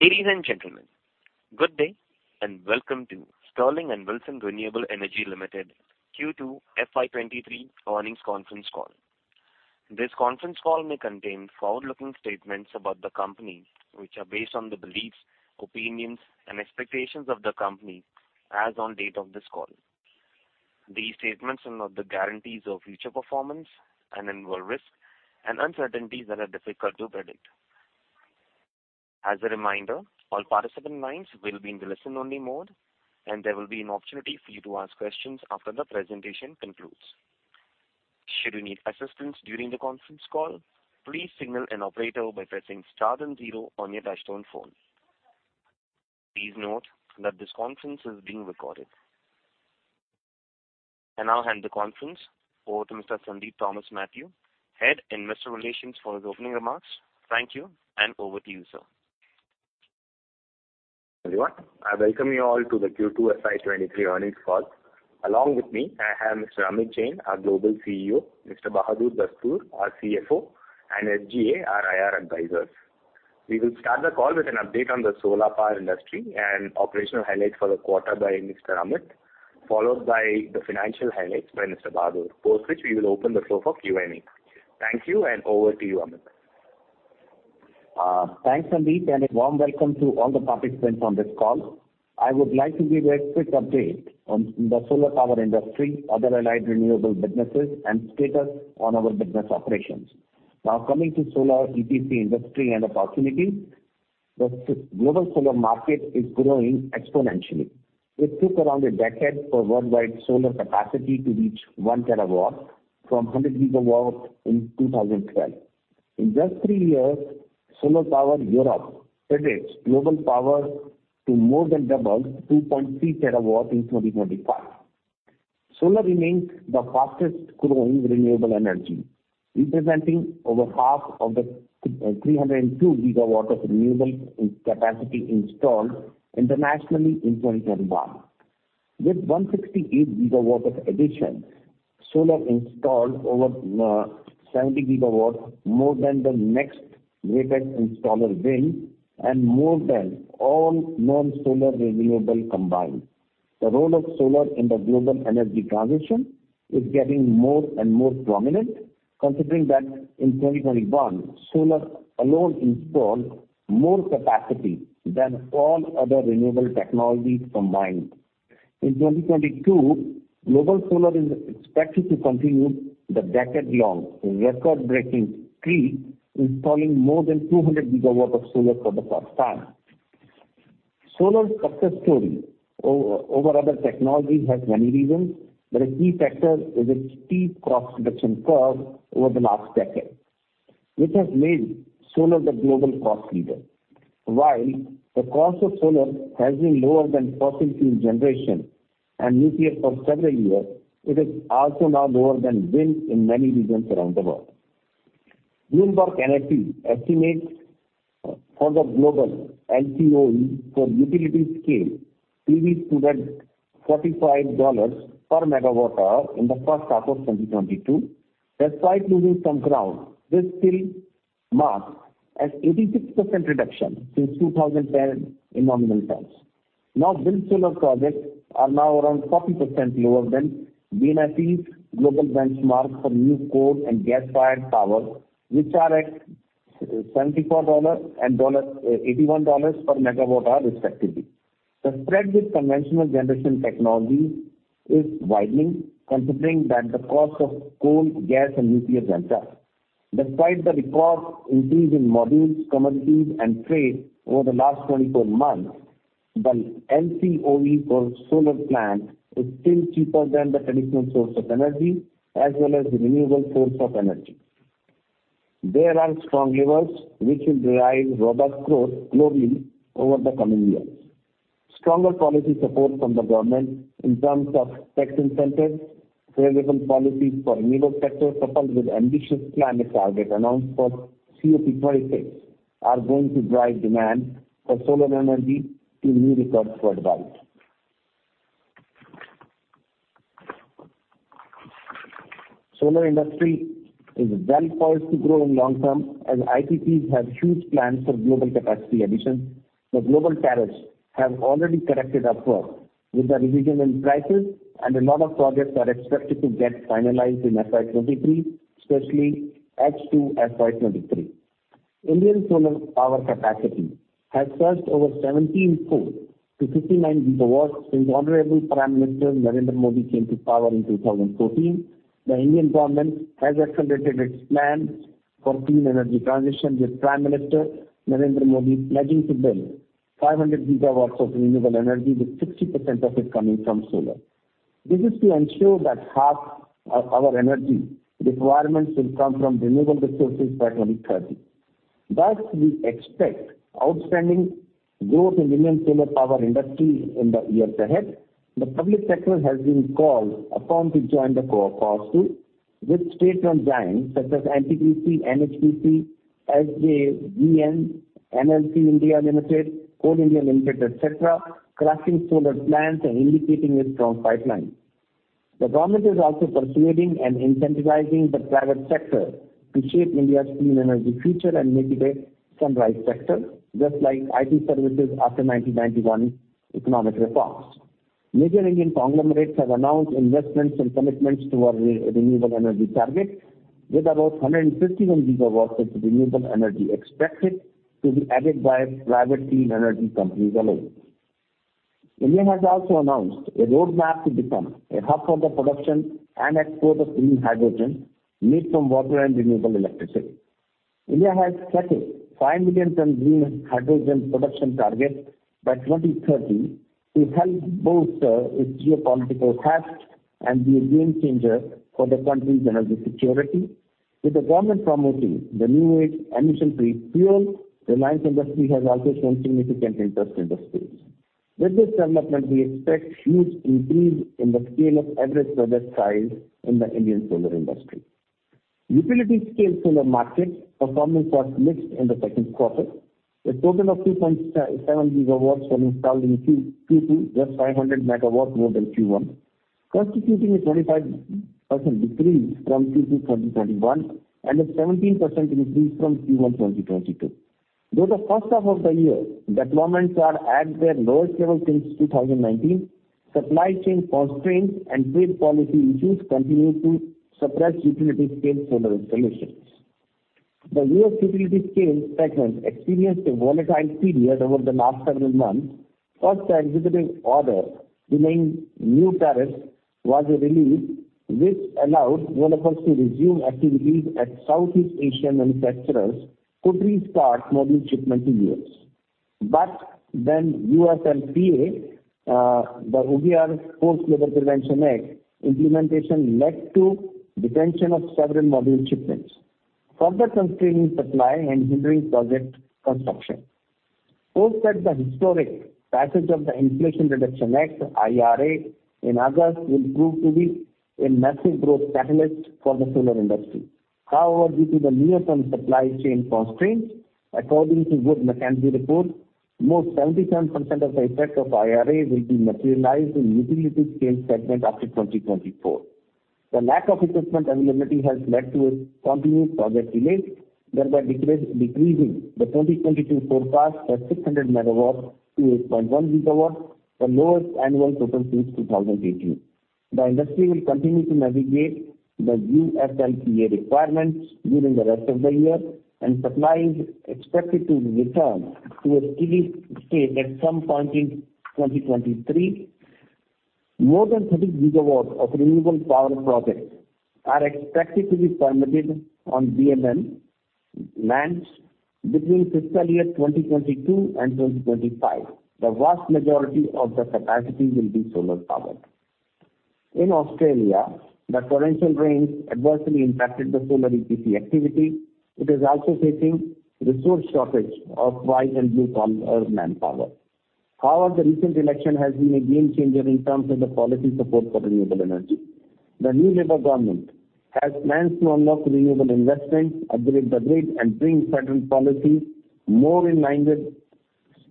Ladies and gentlemen, good day and welcome to Sterling and Wilson Renewable Energy Limited Q2 FY23 earnings conference call. This conference call may contain forward-looking statements about the company, which are based on the beliefs, opinions and expectations of the company as on date of this call. These statements are not the guarantees of future performance and involve risks and uncertainties that are difficult to predict. As a reminder, all participant lines will be in the listen-only mode, and there will be an opportunity for you to ask questions after the presentation concludes. Should you need assistance during the conference call, please signal an operator by pressing star then zero on your touchtone phone. Please note that this conference is being recorded. I now hand the conference over to Mr. Sandeep Thomas Mathew, Head, Investor Relations, for his opening remarks. Thank you, and over to you, sir. Everyone, I welcome you all to the Q2 FY23 earnings call. Along with me, I have Mr. Amit Jain, our Global CEO, Mr. Bahadur Dastoor, our CFO, and SGA, our IR advisors. We will start the call with an update on the solar power industry and operational highlights for the quarter by Mr. Amit, followed by the financial highlights by Mr. Bahadur. Post which, we will open the floor for Q&A. Thank you, and over to you, Amit. Thanks, Sandeep, and a warm welcome to all the participants on this call. I would like to give a quick update on the solar power industry, other allied renewable businesses, and status on our business operations. Now, coming to solar EPC industry and opportunities. The global solar market is growing exponentially. It took around a decade for worldwide solar capacity to reach one terawatt from 100 gigawatts in 2012. In just three years, SolarPower Europe predicts global power to more than double to 2.3 terawatts in 2025. Solar remains the fastest growing renewable energy, representing over half of the 302 gigawatts of renewable capacity installed internationally in 2021. With 168 gigawatts of addition, solar installed over 70 gigawatts, more than the next greatest installer, wind, and more than all non-solar renewable combined. The role of solar in the global energy transition is getting more and more prominent, considering that in 2021, solar alone installed more capacity than all other renewable technologies combined. In 2022, global solar is expected to continue the decade-long record-breaking streak, installing more than 200 GW of solar for the first time. Solar's success story over other technologies has many reasons, but a key factor is its steep cost reduction curve over the last decade, which has made solar the global cost leader. While the cost of solar has been lower than fossil fuel generation and nuclear for several years, it is also now lower than wind in many regions around the world. BloombergNEF estimates for the global LCOE for utility scale PV to land $45 per MWh in the H1 of 2022. Despite losing some ground, this still marks an 86% reduction since 2010 in nominal terms. Now, wind solar projects are now around 40% lower than BloombergNEF's global benchmark for new coal and gas-fired power, which are at $74 and $81 per megawatt hour, respectively. The spread with conventional generation technology is widening, considering that the cost of coal, gas and nuclear went up. Despite the record increase in modules, commodities and freight over the last 24 months, the LCOE for solar plants is still cheaper than the traditional source of energy as well as renewable source of energy. There are strong levers which will drive robust growth globally over the coming years. Stronger policy support from the government in terms of tax incentives, favorable policies for renewable sector, coupled with ambitious climate targets announced for COP26, are going to drive demand for solar energy to new records worldwide. Solar industry is well poised to grow in long term as IPPs have huge plans for global capacity addition. The global tariffs have already corrected upwards with the revision in prices and a lot of projects are expected to get finalized in FY23, especially H2 FY23. Indian solar power capacity has surged over 17-fold to 59 GW since Honorable Prime Minister Narendra Modi came to power in 2014. The Indian government has accelerated its plans for clean energy transition, with Prime Minister Narendra Modi pledging to build 500 GW of renewable energy, with 60% of it coming from solar. This is to ensure that half of our energy requirements will come from renewable resources by 2030. Thus, we expect outstanding growth in Indian solar power industry in the years ahead. The public sector has been called upon to join the cause too, with state-run giants such as NTPC, NHPC, SJVN, NLC India Limited, Coal India Limited, et cetera, crafting solar plans and indicating a strong pipeline. The government is also persuading and incentivizing the private sector to shape India's clean energy future and make it a sunrise sector, just like IT services after 1991 economic reforms. Major Indian conglomerates have announced investments and commitments toward renewable energy targets, with about 150 gigawatts of renewable energy expected to be added by private clean energy companies alone. India has also announced a roadmap to become a hub for the production and export of clean hydrogen made from water and renewable electricity. India has set a 5 million ton green hydrogen production target by 2030 to help bolster its geopolitical heft and be a game changer for the country's energy security. With the government promoting the new age emission-free fuel, the mining industry has also shown significant interest in the space. With this development, we expect huge increase in the scale of average project size in the Indian solar industry. Utility-scale solar market performance was mixed in the Q2. A total of 2.7 gigawatts were installed in Q2, just 500 megawatts more than Q1, constituting a 25% decrease from Q2 2021 and a 17% increase from Q1 2022. In the H1 of the year, deployments are at their lowest level since 2019, supply chain constraints and trade policy issues continue to suppress utility-scale solar installations. The U.S. utility-scale segment experienced a volatile period over the last several months. First, the administrative order delaying new tariffs was a relief, which allowed developers to resume activities as Southeast Asian manufacturers could restart module shipments to the U.S. UFLPA, the Uyghur Forced Labor Prevention Act implementation led to detention of several module shipments, further constraining supply and hindering project construction. Hopes that the historic passage of the Inflation Reduction Act, IRA, in August will prove to be a massive growth catalyst for the solar industry. However, due to the near-term supply chain constraints, according to Wood Mackenzie report, more than 77% of the effect of IRA will be materialized in utility-scale segment after 2024. The lack of equipment availability has led to continued project delays, thereby decreasing the 2022 forecast of 600 MW to 8.1 GW, the lowest annual total since 2018. The industry will continue to navigate the UFLPA requirements during the rest of the year, and supply is expected to return to a steady state at some point in 2023. More than 30 GW of renewable power projects are expected to be permitted on BLM lands between fiscal year 2022 and 2025. The vast majority of the capacity will be solar powered. In Australia, the torrential rains adversely impacted the solar EPC activity. It is also facing resource shortage of white and blue-collar manpower. However, the recent election has been a game changer in terms of the policy support for renewable energy. The new Labor government has plans to unlock renewable investment, upgrade the grid, and bring certain policies more in line with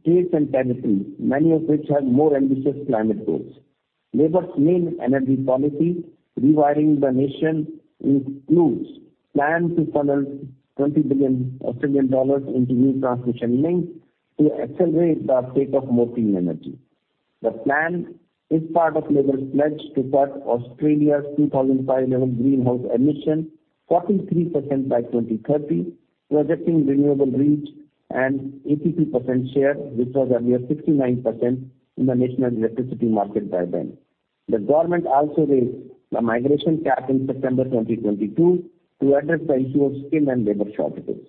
states and territories, many of which have more ambitious climate goals. Labor's main energy policy, Rewiring the Nation, includes plan to funnel 20 billion Australian dollars into new transmission links to accelerate the uptake of more clean energy. The plan is part of Labor's pledge to cut Australia's 2005 level greenhouse emission 43% by 2030, projecting renewable reach an 82% share, which was earlier 59% in the national electricity market by then. The government also raised the migration cap in September 2022 to address the issue of skill and labor shortages.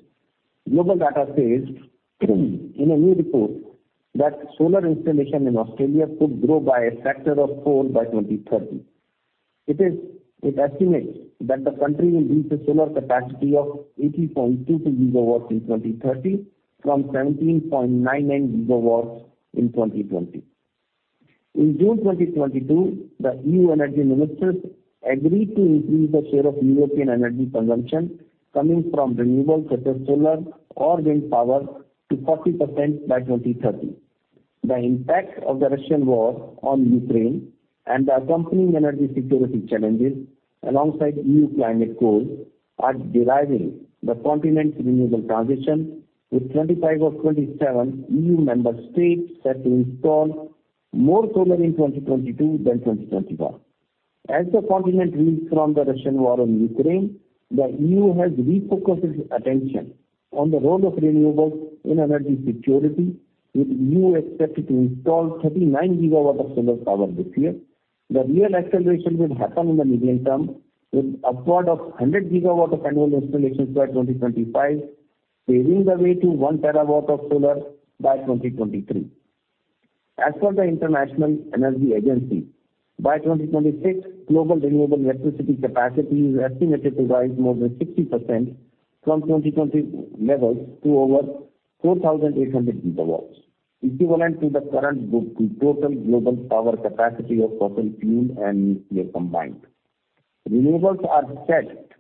GlobalData says in a new report that solar installation in Australia could grow by a factor of four by 2030. It estimates that the country will reach a solar capacity of 80.22 gigawatts in 2030 from 17.99 gigawatts in 2020. In June 2022, the EU energy ministers agreed to increase the share of European energy consumption coming from renewables such as solar or wind power to 40% by 2030. The impact of the Russian war on Ukraine and the accompanying energy security challenges alongside EU climate goals are driving the continent's renewable transition, with 25 of 27 EU member states set to install more solar in 2022 than 2021. As the continent reels from the Russian war on Ukraine, the EU has refocused its attention on the role of renewables in energy security, with EU expected to install 39 GW of solar power this year. The real acceleration will happen in the medium term, with upward of 100 GW of annual installations by 2025, paving the way to 1 terawatt of solar by 2023. As per the International Energy Agency, by 2026, global renewable electricity capacity is estimated to rise more than 60% from 2020 levels to over 4,800 GW, equivalent to the current global total global power capacity of fossil fuel and nuclear combined. Renewables are set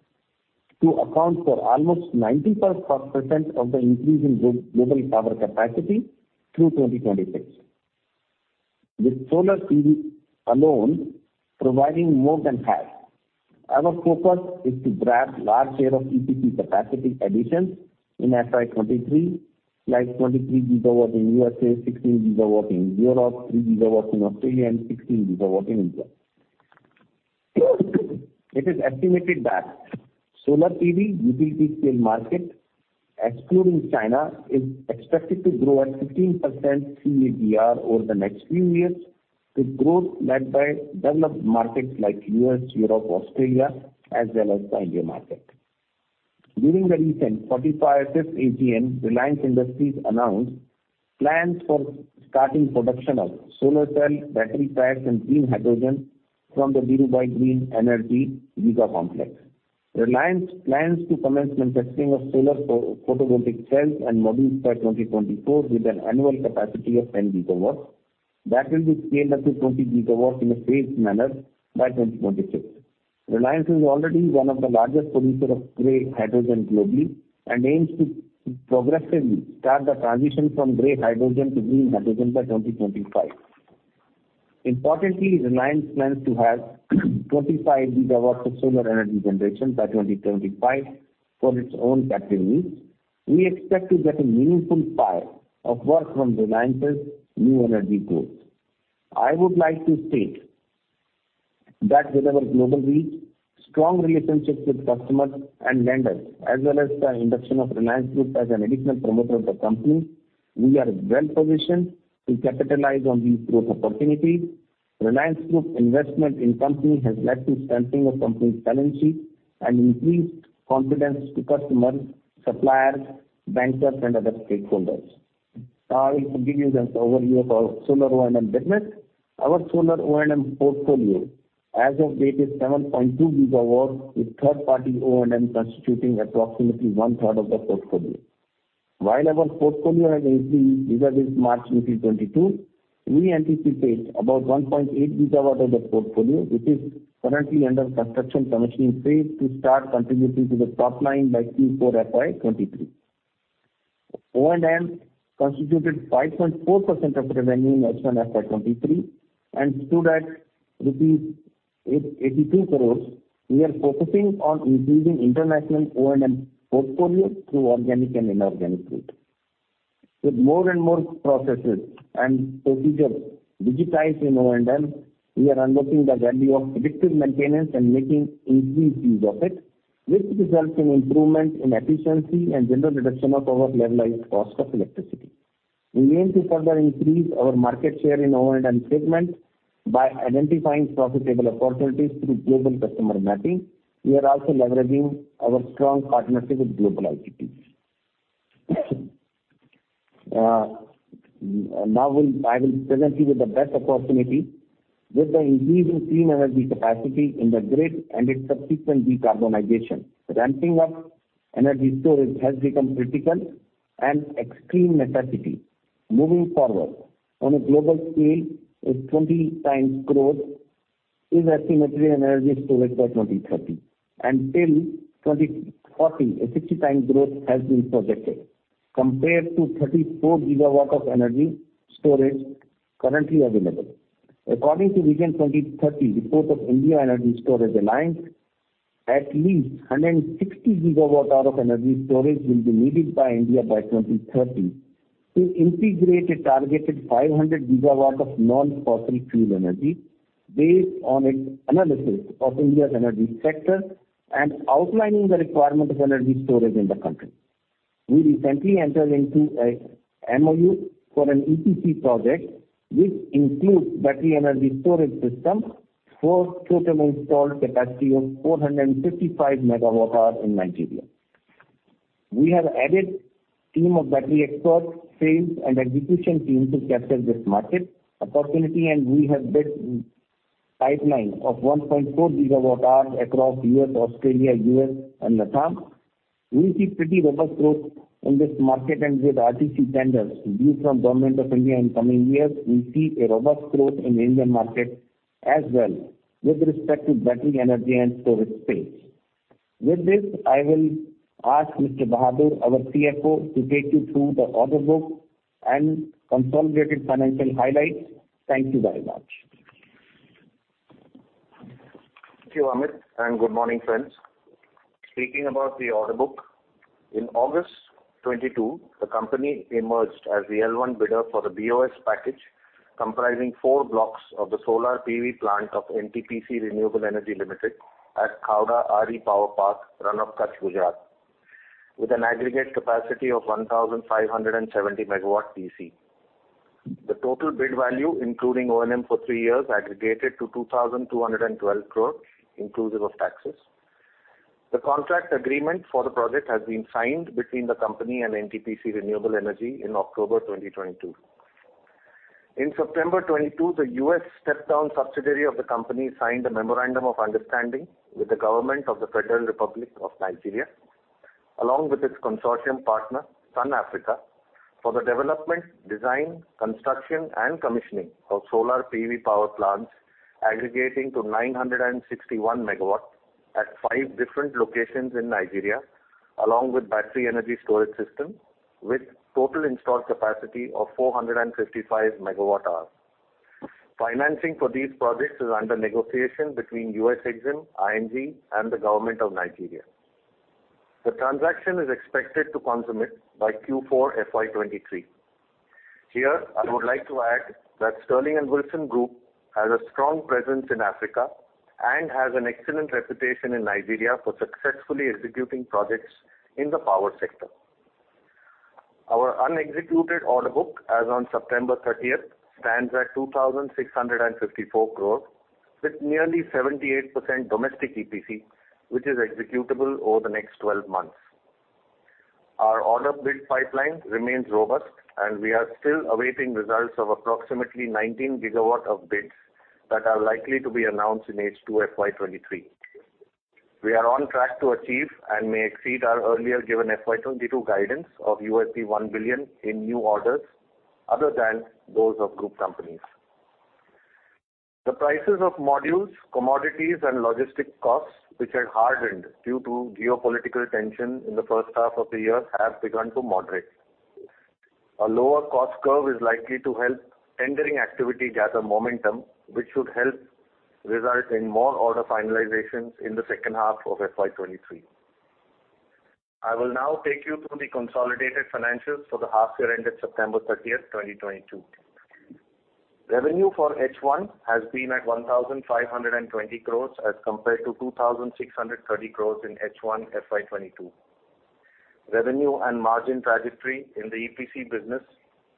to account for almost 90% of the increase in global power capacity through 2026, with solar PV alone providing more than half. Our focus is to grab large share of EPC capacity additions in FY 23, like 23 gigawatts in U.S., 16 gigawatts in Europe, 3 gigawatts in Australia, and 16 gigawatts in India. It is estimated that solar PV utility scale market, excluding China, is expected to grow at 15% CAGR over the next few years, with growth led by developed markets like U.S., Europe, Australia, as well as the India market. During the recent 45th AGM, Reliance Industries announced plans for starting production of solar cell, battery packs and green hydrogen from the Dhirubhai Ambani Green Energy Giga Complex. Reliance plans to commence manufacturing of solar photovoltaic cells and modules by 2024, with an annual capacity of 10 gigawatts that will be scaled up to 20 gigawatts in a phased manner by 2026. Reliance is already one of the largest producer of gray hydrogen globally and aims to progressively start the transition from gray hydrogen to green hydrogen by 2025. Importantly, Reliance plans to have 25 gigawatts of solar energy generation by 2025 for its own captive use. We expect to get a meaningful piece of work from Reliance's new energy goals. I would like to state that with our global reach, strong relationships with customers and lenders, as well as the induction of Reliance Group as an additional promoter of the company, we are well positioned to capitalize on these growth opportunities. Reliance Group investment in company has led to strengthening of company's balance sheet and increased confidence to customers, suppliers, bankers and other stakeholders. Now I'll give you the overview of our solar O&M business. Our solar O&M portfolio as of date is 7.2 gigawatts, with third party O&M constituting approximately one-third of the portfolio. While our portfolio has increased as of March 2022, we anticipate about 1.8 gigawatt of the portfolio, which is currently under construction commissioning phase to start contributing to the top line by Q4 FY 2023. O&M constituted 5.4% of revenue in FY 2023 and stood at rupees 82 crores. We are focusing on increasing international O&M portfolio through organic and inorganic route. With more and more processes and procedures digitized in O&M, we are unlocking the value of predictive maintenance and making increased use of it, which results in improvement in efficiency and general reduction of our levelized cost of electricity. We aim to further increase our market share in O&M segment by identifying profitable opportunities through global customer mapping. We are also leveraging our strong partnership with global IPPs. I will present you with the best opportunity. With the increase in clean energy capacity in the grid and its subsequent decarbonization, ramping up energy storage has become critical and extreme necessity. Moving forward, on a global scale, a 20 times growth is estimated in energy storage by 2030, and till 2040, a 60 times growth has been projected compared to 34 gigawatt of energy storage currently available. According to Vision 2030 report of India Energy Storage Alliance, at least 160 gigawatt hour of energy storage will be needed by India by 2030 to integrate a targeted 500 gigawatt of non-fossil fuel energy based on its analysis of India's energy sector and outlining the requirement of energy storage in the country. We recently entered into a MoU for an EPC project, which includes battery energy storage system for total installed capacity of 455 MWh in Nigeria. We have added team of battery experts, sales and execution team to capture this market opportunity, and we have built pipeline of 1.4 GWh across US, Australia, US and LATAM. We see pretty robust growth in this market and with RTC tenders due from Government of India in coming years, we see a robust growth in Indian market as well with respect to battery energy and storage space. With this, I will ask Mr. Bahadur, our CFO, to take you through the order book and consolidated financial highlights. Thank you very much. Thank you, Amit, and good morning, friends. Speaking about the order book, in August 2022, the company emerged as the L1 bidder for the BOS package comprising four blocks of the solar PV plant of NTPC Renewable Energy Limited at Khavda RE Power Park, Rann of Kutch, Gujarat, with an aggregate capacity of 1,570 MW DC. The total bid value, including O&M for three years, aggregated to 2,212 crores inclusive of taxes. The contract agreement for the project has been signed between the company and NTPC Renewable Energy in October 2022. In September 2022, the U.S. step-down subsidiary of the company signed a memorandum of understanding with the government of the Federal Republic of Nigeria, along with its consortium partner, Sun Africa, for the development, design, construction and commissioning of solar PV power plants aggregating to 961 MW at 5 different locations in Nigeria, along with battery energy storage system, with total installed capacity of 455 MWh. Financing for these projects is under negotiation between US EXIM, ING and the government of Nigeria. The transaction is expected to consummate by Q4 FY 2023. Here, I would like to add that Sterling and Wilson Group has a strong presence in Africa and has an excellent reputation in Nigeria for successfully executing projects in the power sector. Our unexecuted order book as on September 30th stands at 2,654 crore, with nearly 78% domestic EPC, which is executable over the next 12 months. Our order bid pipeline remains robust and we are still awaiting results of approximately 19 gigawatt of bids that are likely to be announced in H2 FY 2023. We are on track to achieve and may exceed our earlier given FY 2022 guidance of $1 billion in new orders other than those of group companies. The prices of modules, commodities and logistic costs, which had hardened due to geopolitical tension in the H1 of the year, have begun to moderate. A lower cost curve is likely to help tendering activity gather momentum, which should help result in more order finalizations in the H2 of FY 2023. I will now take you through the consolidated financials for the half year ended September 30, 2022. Revenue for H1 has been at 1,520 crores as compared to 2,630 crores in H1 FY 2022. Revenue and margin trajectory in the EPC business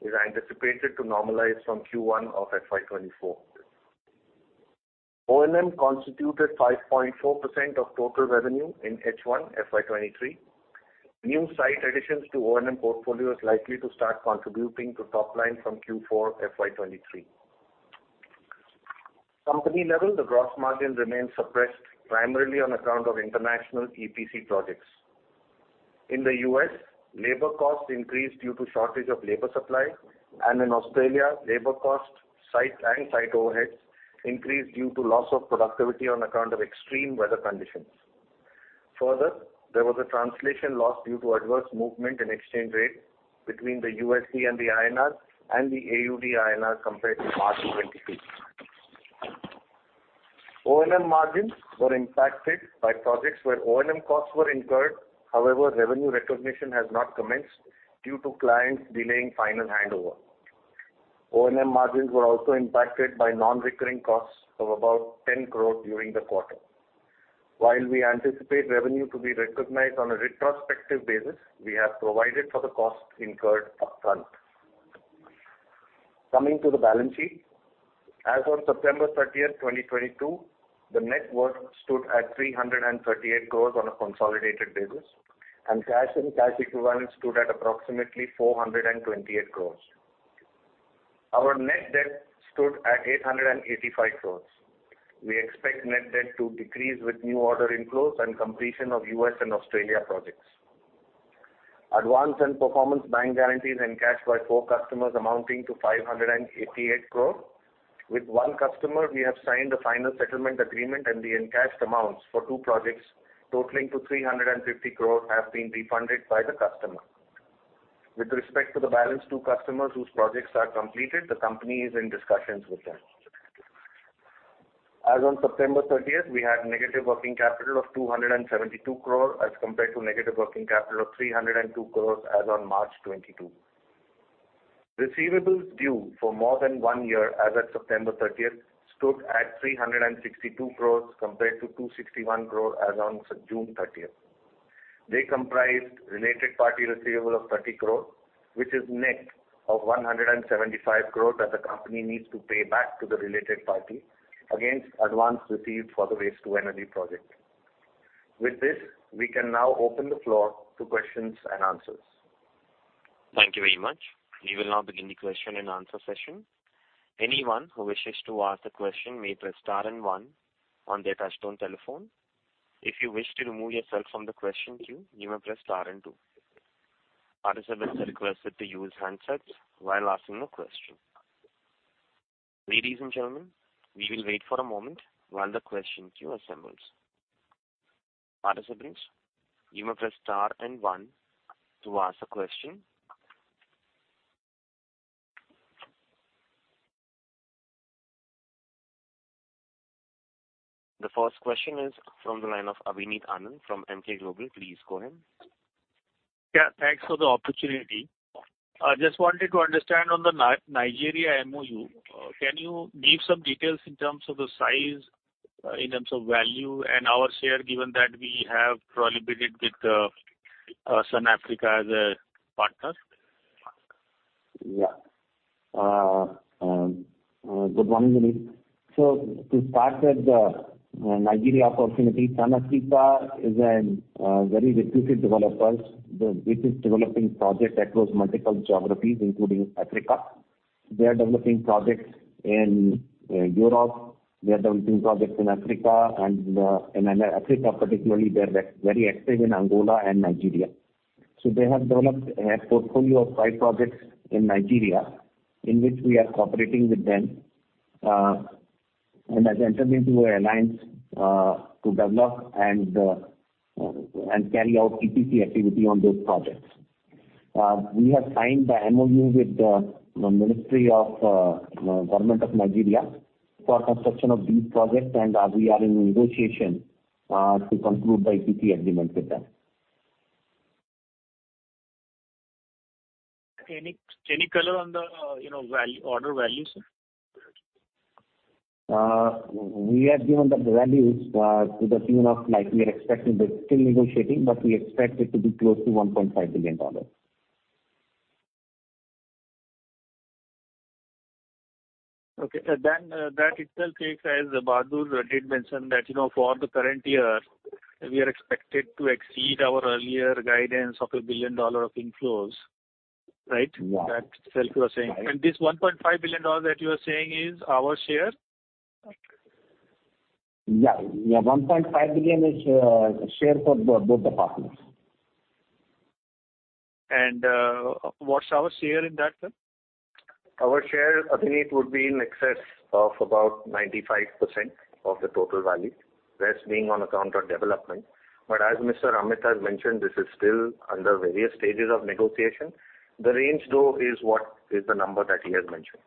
is anticipated to normalize from Q1 of FY 2024. O&M constituted 5.4% of total revenue in H1 FY 2023. New site additions to O&M portfolio is likely to start contributing to top line from Q4 FY 2023. Company level, the gross margin remains suppressed primarily on account of international EPC projects. In the U.S., labor costs increased due to shortage of labor supply, and in Australia, labor costs, site and site overheads increased due to loss of productivity on account of extreme weather conditions. Further, there was a translation loss due to adverse movement in exchange rate between the USD and the INR and the AUD-INR compared to March 2022. O&M margins were impacted by projects where O&M costs were incurred. However, revenue recognition has not commenced due to clients delaying final handover. O&M margins were also impacted by non-recurring costs of about 10 crore during the quarter. While we anticipate revenue to be recognized on a retrospective basis, we have provided for the costs incurred upfront. Coming to the balance sheet. As on September 30, 2022, the net worth stood at 338 crore on a consolidated basis, and cash and cash equivalents stood at approximately 428 crore. Our net debt stood at 885 crore. We expect net debt to decrease with new order inflows and completion of US and Australia projects. Advance and performance bank guarantees encashed by four customers amounting to 588 crore. With one customer, we have signed a final settlement agreement, and the encashed amounts for two projects totaling to 350 crore have been refunded by the customer. With respect to the balance two customers whose projects are completed, the company is in discussions with them. As on September 30th, we had negative working capital of 272 crore as compared to negative working capital of 302 crore as on March 2022. Receivables due for more than one year as at September 30th stood at 362 crore compared to 261 crore as on June 30th. They comprised related party receivable of 30 crore, which is net of 175 crore that the company needs to pay back to the related party against advance received for the waste to energy project. With this, we can now open the floor to questions and answers. Thank you very much. We will now begin the question and answer session. Anyone who wishes to ask a question may press star and one on their touch-tone telephone. If you wish to remove yourself from the question queue, you may press star and two. Participants are requested to use handsets while asking a question. Ladies and gentlemen, we will wait for a moment while the question queue assembles. Participants, you may press star and one to ask a question. The first question is from the line of Abhineet Anand from Emkay Global. Please go ahead. Yeah, thanks for the opportunity. I just wanted to understand on the Nigeria MoU. Can you give some details in terms of the size, in terms of value and our share, given that we have probably bid it with Sun Africa as a partner? Good morning, Abhineet. To start with the Nigeria opportunity, Sun Africa is a very reputed developer. It is developing projects across multiple geographies, including Africa. They are developing projects in Europe. They are developing projects in Africa. In Africa particularly, they're very active in Angola and Nigeria. They have developed a portfolio of five projects in Nigeria in which we are cooperating with them, and has entered into an alliance to develop and carry out EPC activity on those projects. We have signed the MoU with the Ministry of Government of Nigeria for construction of these projects. We are in negotiation to conclude the EPC agreement with them. Any color on the, you know, value, order value, sir? We have given the values to the tune of like we are expecting but still negotiating, but we expect it to be close to $1.5 billion. That itself takes, as Bahadur did mention that, you know, for the current year, we are expected to exceed our earlier guidance of $1 billion of inflows, right? Yeah. That itself you are saying. This $1.5 billion that you are saying is our share? Yeah. 1.5 billion is share for both the partners. What's our share in that, sir? Our share, Abhineetv, would be in excess of about 95% of the total value. Rest being on account of development. As Mr. Amit has mentioned, this is still under various stages of negotiation. The range, though, is what is the number that he has mentioned.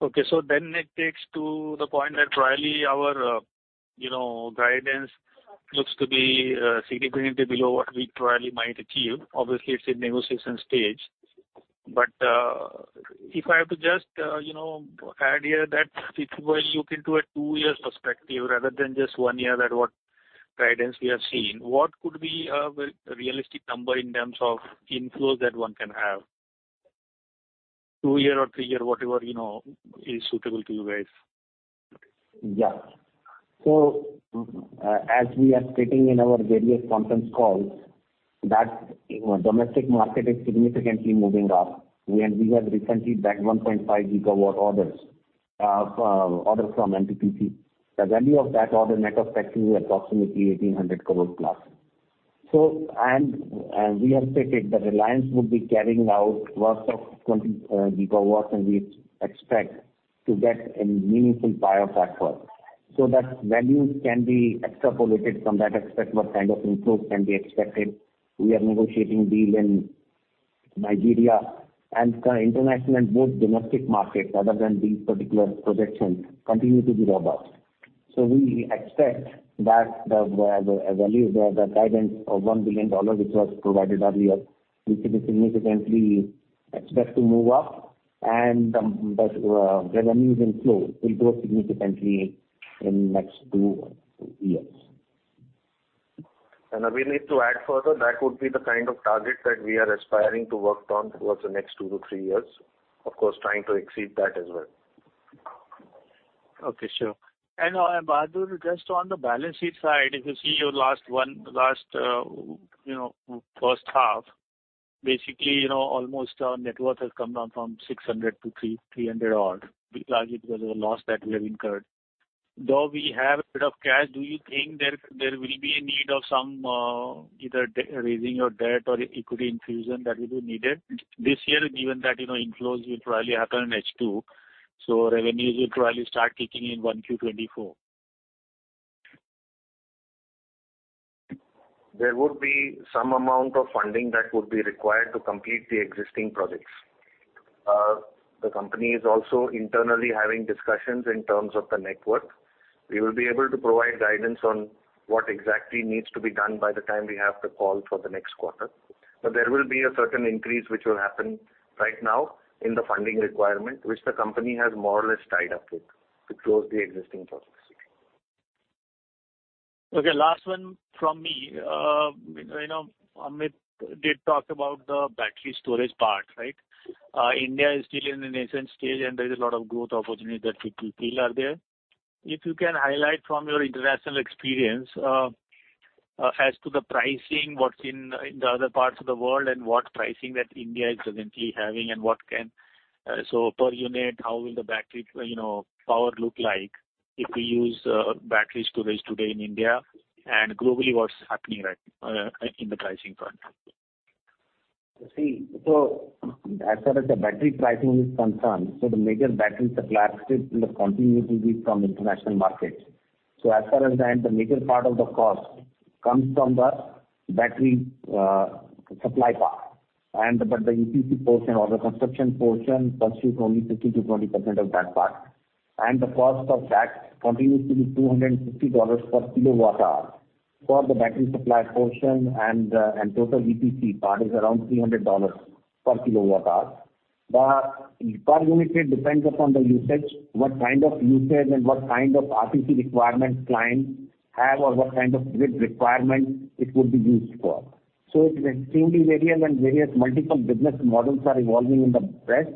It takes to the point that really our, you know, guidance looks to be significantly below what we truly might achieve. Obviously, it's in negotiation stage. If I have to just, you know, add here that if we look into a two-year perspective rather than just one year that what guidance we have seen, what could be a realistic number in terms of inflows that one can have? Two-year or three-year, whatever, you know, is suitable to you guys. Yeah. As we are stating in our various conference calls that, you know, domestic market is significantly moving up. We have recently bagged 1.5 gigawatt order from NTPC. The value of that order net of tax will be approximately INR 1,800 crore plus. We have stated that Reliance would be carrying out works of 20 gigawatts, and we expect to get a meaningful pie of that work. That values can be extrapolated from that, expect what kind of inflows can be expected. We are negotiating deal in Nigeria and international and both domestic markets other than these particular projects continue to be robust. We expect that the value, the guidance of $1 billion which was provided earlier, we could be significantly expect to move up and the revenues inflow will grow significantly in next two years. I will need to add further, that would be the kind of target that we are aspiring to work on towards the next 2-3 years. Of course, trying to exceed that as well. Okay, sure. Bahadur, just on the balance sheet side, if you see your last H1, basically, you know, almost our net worth has come down from 600 to 300 odd because it was a loss that we have incurred. Though we have a bit of cash, do you think there will be a need of some either debt raising or equity infusion that will be needed this year, given that, you know, inflows will probably happen in H2, so revenues will probably start kicking in Q1 2024? There would be some amount of funding that would be required to complete the existing projects. The company is also internally having discussions in terms of the network. We will be able to provide guidance on what exactly needs to be done by the time we have the call for the next quarter. There will be a certain increase which will happen right now in the funding requirement, which the company has more or less tied up with to close the existing projects. Okay, last one from me. You know, Amit did talk about the battery storage part, right? India is still in the nascent stage, and there is a lot of growth opportunity that people feel are there. If you can highlight from your international experience, as to the pricing, what's in the other parts of the world and what pricing that India is currently having and what can. So per unit, how will the battery, you know, power look like if we use battery storage today in India? And globally, what's happening right in the pricing front? As far as the battery pricing is concerned, the major battery supply still will continuously be from international markets. As far as that, the major part of the cost comes from the battery supply part. But the EPC portion or the construction portion constitutes only 15%-20% of that part. The cost of that continues to be $250 per kWh. For the battery supply portion and total EPC part is around $300 per kWh. The per unit rate depends upon the usage, what kind of usage and what kind of RTC requirements client have or what kind of grid requirement it would be used for. It's extremely variable, and various multiple business models are evolving in the West,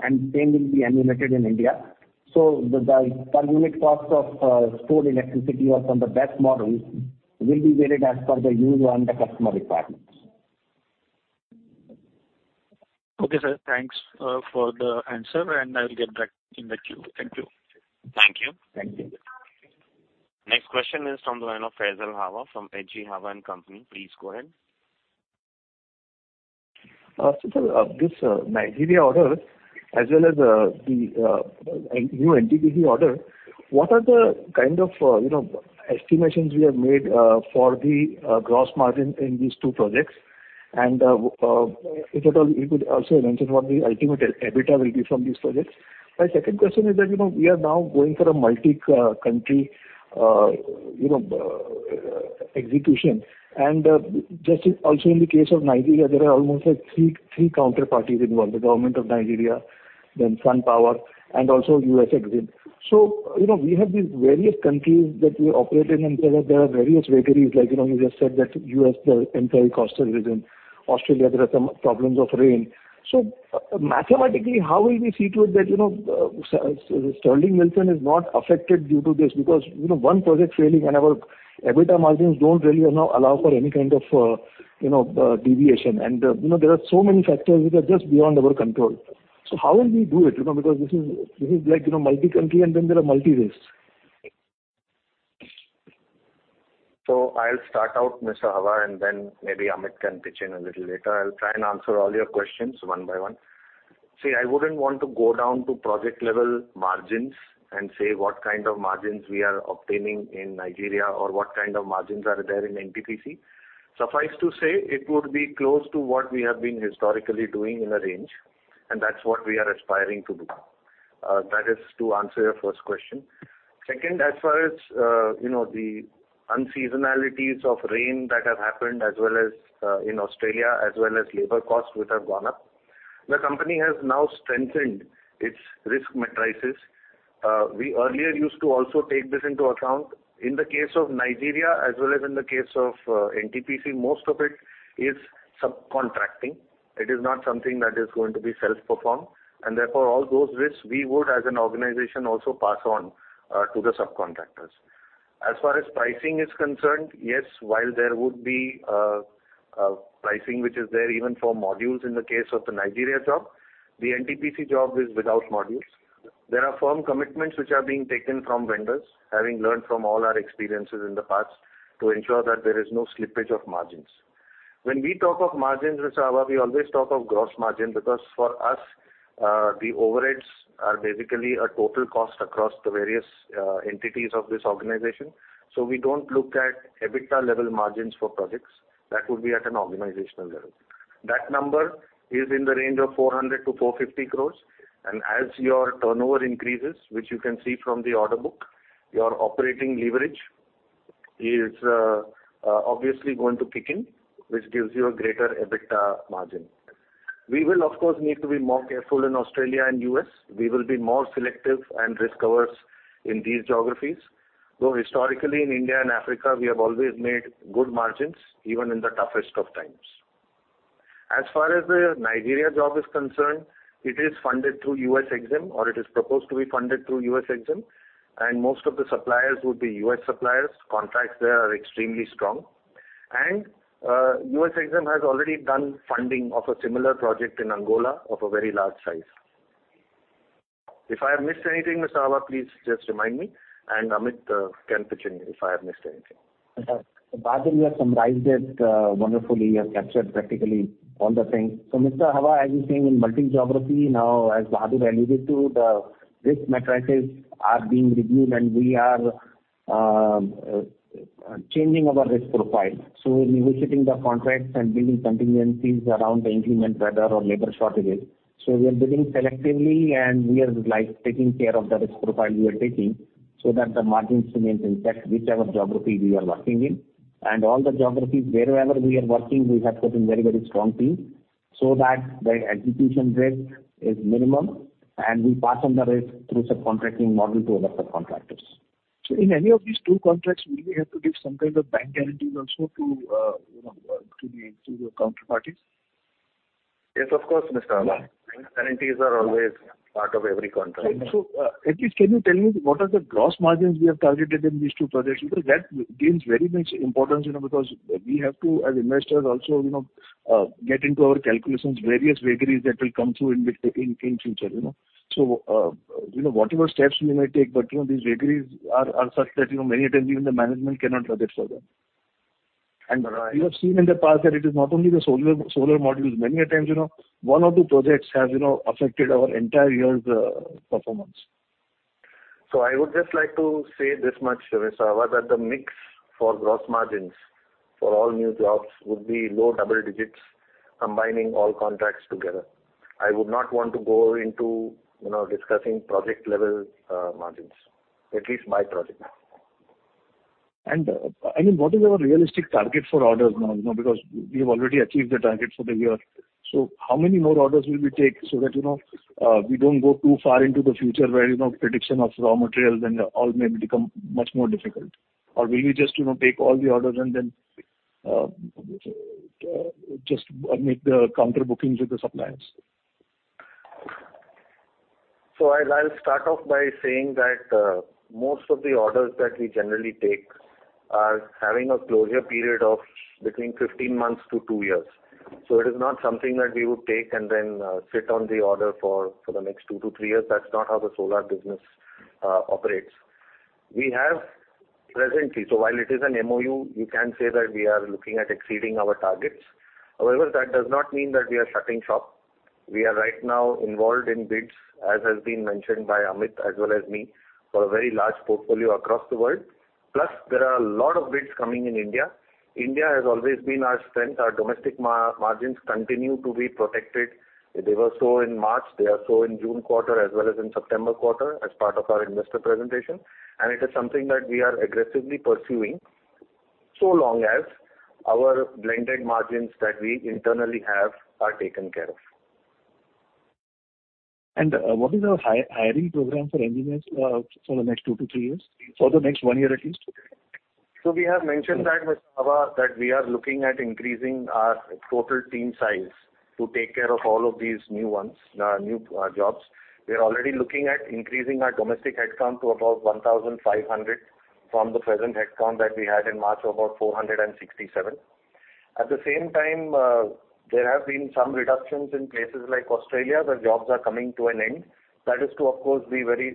and same will be emulated in India. The per unit cost of stored electricity or from the best models. Will be varied as per the use and the customer requirements. Okay, sir. Thanks, for the answer, and I will get back in the queue. Thank you. Thank you. Thank you. Next question is from the line of Faisal Hawa from H.G. Hawa and Company. Please go ahead. Sir, this Nigeria order, as well as the new NTPC order, what are the kind of, you know, estimations you have made for the gross margin in these two projects? If at all you could also mention what the ultimate EBITDA will be from these projects. My second question is that, you know, we are now going for a multi-country, you know, execution. Just also in the case of Nigeria, there are almost like three counterparties involved, the government of Nigeria, then Sun Africa and also US EXIM. You know, we have these various countries that we operate in, and so that there are various vagaries like, you know, you just said that U.S., the entire coastal region, Australia, there are some problems of rain. Mathematically, how will we see to it that, you know, Sterling & Wilson is not affected due to this? Because, you know, one project failing and our EBITDA margins don't really, you know, allow for any kind of deviation. You know, there are so many factors which are just beyond our control. How will we do it? You know, because this is like, you know, multi-country, and then there are multi-risks. I'll start out, Mr. Hawa, and then maybe Amit can pitch in a little later. I'll try and answer all your questions one by one. See, I wouldn't want to go down to project-level margins and say what kind of margins we are obtaining in Nigeria or what kind of margins are there in NTPC. Suffice to say, it would be close to what we have been historically doing in a range, and that's what we are aspiring to do. That is to answer your first question. Second, as far as, you know, the unseasonalities of rain that have happened, as well as, in Australia, as well as labor costs, which have gone up, the company has now strengthened its risk matrices. We earlier used to also take this into account. In the case of Nigeria, as well as in the case of NTPC, most of it is subcontracting. It is not something that is going to be self-performed. Therefore, all those risks we would, as an organization, also pass on to the subcontractors. As far as pricing is concerned, yes, while there would be pricing which is there even for modules in the case of the Nigeria job, the NTPC job is without modules. There are firm commitments which are being taken from vendors, having learned from all our experiences in the past to ensure that there is no slippage of margins. When we talk of margins, Mr. Hawa, we always talk of gross margin because for us, the overheads are basically a total cost across the various entities of this organization. We don't look at EBITDA-level margins for projects. That would be at an organizational level. That number is in the range of 400-450 crores. As your turnover increases, which you can see from the order book, your operating leverage is obviously going to kick in, which gives you a greater EBITDA margin. We will, of course, need to be more careful in Australia and U.S. We will be more selective and risk-averse in these geographies, though historically in India and Africa, we have always made good margins, even in the toughest of times. As far as the Nigeria job is concerned, it is funded through US EXIM, or it is proposed to be funded through US EXIM, and most of the suppliers would be US suppliers. Contracts there are extremely strong. US EXIM has already done funding of a similar project in Angola of a very large size. If I have missed anything, Mr. Hawa, please just remind me, and Amit can pitch in if I have missed anything. Bahadur, you have summarized it wonderfully. You have captured practically all the things. Mr. Hawa, as you say, in multi-geography now, as Bahadur alluded to, the risk matrices are being reviewed, and we are changing our risk profile. Revisiting the contracts and building contingencies around the inclement weather or labor shortages. We are bidding selectively, and we are like taking care of the risk profile we are taking so that the margins remain intact whichever geography we are working in. All the geographies, wherever we are working, we have put in very, very strong teams so that the execution risk is minimum, and we pass on the risk through subcontracting model to other subcontractors. In any of these two contracts, will we have to give some kind of bank guarantees also to, you know, to the counterparties? Yes, of course, Mr. Hawa. Bank guarantees are always part of every contract. At least can you tell me what are the gross margins we have targeted in these two projects? Because that gains very much importance, you know, because we have to, as investors also, you know, get into our calculations various vagaries that will come through in the future, you know. You know, whatever steps we might take, but, you know, these vagaries are such that, you know, many a times even the management cannot budget for them. We have seen in the past that it is not only the solar modules. Many a times, you know, one or two projects have, you know, affected our entire year's performance. I would just like to say this much, Mr. Hawa, that the mix for gross margins for all new jobs would be low double digits%, combining all contracts together. I would not want to go into, you know, discussing project-level margins. At least my project. I mean, what is our realistic target for orders now? You know, because we have already achieved the target for the year. How many more orders will we take so that, you know, we don't go too far into the future where, you know, prediction of raw materials and all may become much more difficult? Or will we just, you know, take all the orders and then just make the counter bookings with the suppliers? I'll start off by saying that most of the orders that we generally take are having a closure period of between 15 months to 2 years. It is not something that we would take and then sit on the order for the next 2-3 years. That's not how the solar business operates. We have presently. While it is an MOU, you can say that we are looking at exceeding our targets. However, that does not mean that we are shutting shop. We are right now involved in bids, as has been mentioned by Amit as well as me, for a very large portfolio across the world. Plus, there are a lot of bids coming in India. India has always been our strength. Our domestic margins continue to be protected. They were shown in March, they are shown in June quarter, as well as in September quarter as part of our investor presentation. It is something that we are aggressively pursuing, so long as our blended margins that we internally have are taken care of. What is our hiring program for engineers for the next 2-3 years? For the next 1 year at least? We have mentioned that, Mr.Hawa that we are looking at increasing our total team size to take care of all of these new jobs. We are already looking at increasing our domestic headcount to about 1,500 from the present headcount that we had in March, about 467. At the same time, there have been some reductions in places like Australia, where jobs are coming to an end. That is to of course be very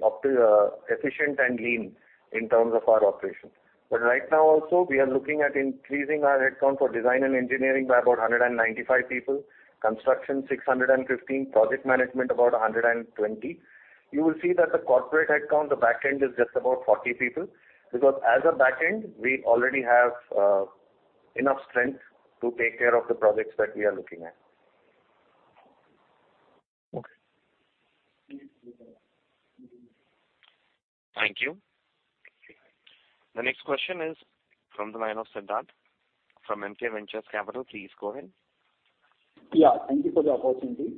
efficient and lean in terms of our operations. But right now also, we are looking at increasing our headcount for design and engineering by about 195 people, construction 615, project management about 120. You will see that the corporate headcount, the back end is just about 40 people. Because as a back end, we already have enough strength to take care of the projects that we are looking at. Okay. Thank you. The next question is from the line of Siddharth Shah from MK Ventures Capital. Please go ahead. Yeah, thank you for the opportunity.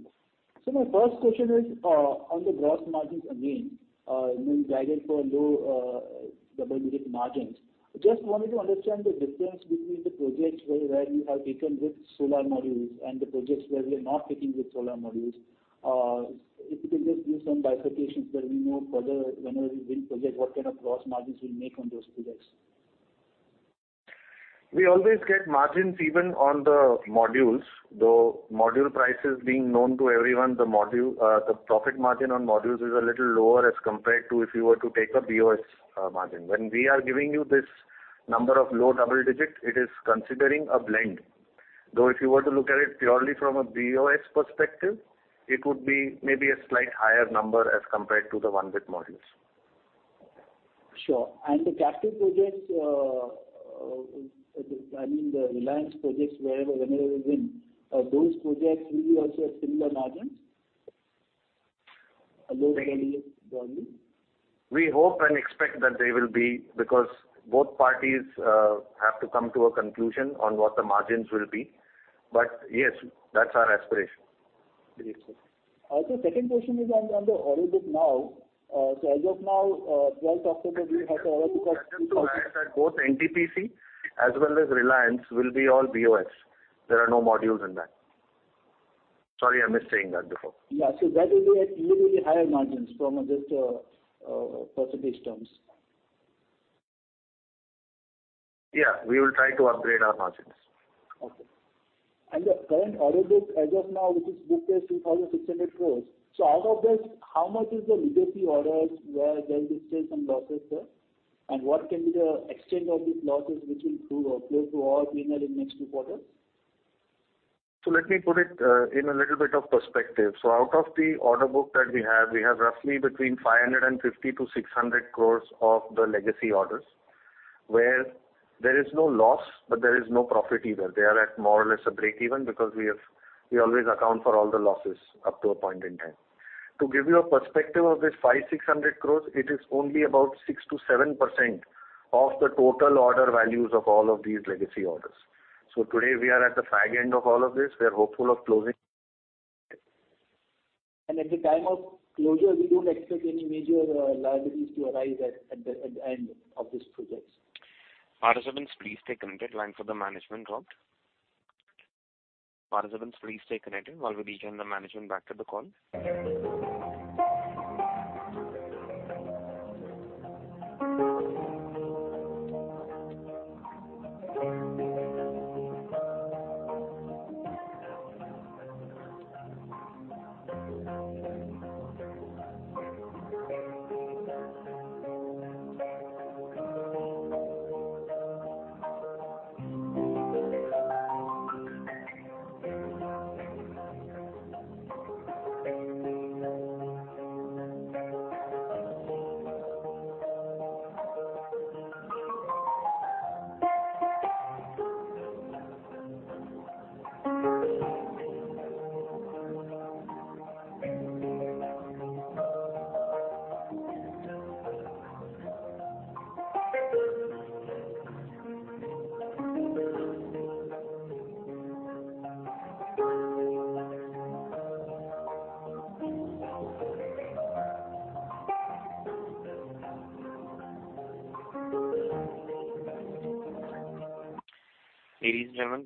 My first question is on the gross margins again. You guided for low double-digit margins. Just wanted to understand the difference between the projects where you have taken with solar modules and the projects where you're not taking with solar modules. If you could just give some bifurcations that we know further whenever we win projects, what kind of gross margins we'll make on those projects. We always get margins even on the modules, though module prices being known to everyone, the profit margin on modules is a little lower as compared to if you were to take a BOS margin. When we are giving you this number of low double-digit, it is considering a blend. Though if you were to look at it purely from a BOS perspective, it would be maybe a slight higher number as compared to the one-bit modules. Sure. The captive projects, I mean the Reliance projects, wherever, whenever you win, those projects will be also a similar margins? A low volume. We hope and expect that they will be, because both parties have to come to a conclusion on what the margins will be. Yes, that's our aspiration. Great. Also, second question is on the order book now. As of now, 12th October, we have order book. Just to add that both NTPC as well as Reliance will be all BOS. There are no modules in that. Sorry, I missed saying that before. Yeah. That will be a little bit higher margins from just percentage terms. Yeah. We will try to upgrade our margins. Okay. The current order book as of now, which is booked as 2,600 crores. Out of this, how much is the legacy orders where there will be still some losses there? What can be the extent of these losses which will prove or close to all in the next two quarters? Let me put it in a little bit of perspective. Out of the order book that we have, we have roughly 550-600 crores of the legacy orders, where there is no loss, but there is no profit either. They are at more or less a break-even because we always account for all the losses up to a point in time. To give you a perspective of this 500-600 crores, it is only about 6%-7% of the total order values of all of these legacy orders. Today we are at the fag end of all of this. We are hopeful of closing. At the time of closure, we don't expect any major liabilities to arise at the end of these projects. Participants, please stay connected. Line for the management dropped. Participants, please stay connected while we return the management back to the call.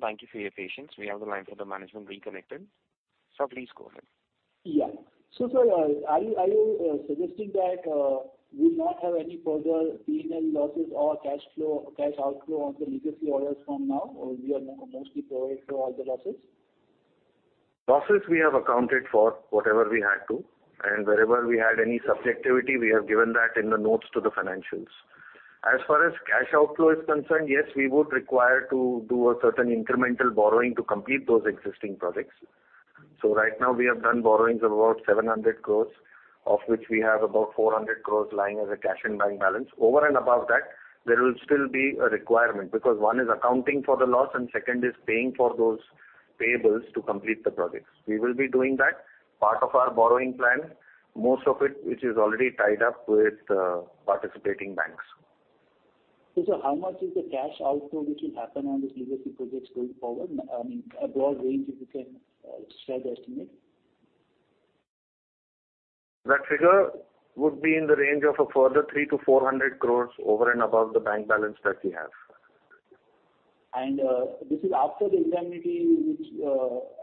Ladies and gentlemen, thank you for your patience. We have the line for the management reconnected. Sir, please go ahead. Yeah, sir, are you suggesting that we'll not have any further P&L losses or cash outflow on the legacy orders from now or we are mostly provided for all the losses? Losses we have accounted for whatever we had to, and wherever we had any subjectivity, we have given that in the notes to the financials. As far as cash outflow is concerned, yes, we would require to do a certain incremental borrowing to complete those existing projects. Right now we have done borrowings of about 700 crores, of which we have about 400 crores lying as a cash and bank balance. Over and above that, there will still be a requirement, because one is accounting for the loss and second is paying for those payables to complete the projects. We will be doing that, part of our borrowing plan, most of it which is already tied up with participating banks. sir, how much is the cash outflow which will happen on these legacy projects going forward? I mean, a broad range if you can, share the estimate. That figure would be in the range of a further 300-400 crores over and above the bank balance that we have. This is after the indemnity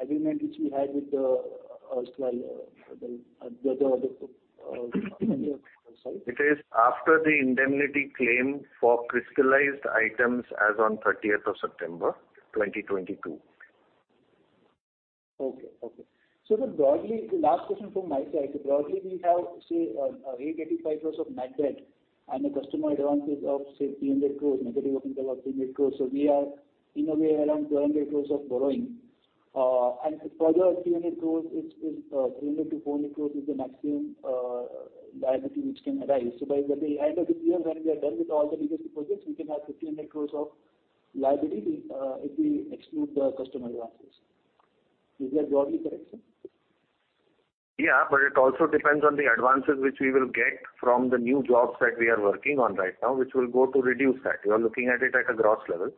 agreement which we had with the, sorry. It is after the indemnity claim for crystallized items as on thirtieth of September 2022. Okay. Broadly, the last question from my side. Broadly we have, say, 885 crore of net debt and the customer advances of say 300 crore, negative working capital of 300 crore. We are in a way around 200 crore of borrowing. Further 300 crore is 300 crore-400 crore is the maximum liability which can arise. By the end of this year, when we are done with all the legacy projects, we can have 1,500 crore of liability, if we exclude the customer advances. Is that broadly correct, sir? Yeah, but it also depends on the advances which we will get from the new jobs that we are working on right now, which will go to reduce that. You are looking at it at a gross level.